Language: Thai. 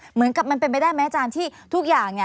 เหมือนกับมันเป็นไปได้ไหมทำทุกอย่าง